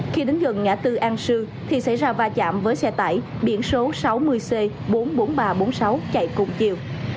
khi đến gần ngã tư an sương thì xảy ra va chạm với xe tải biển số sáu mươi c bốn mươi bốn nghìn ba trăm bốn mươi sáu chạy cùng chiều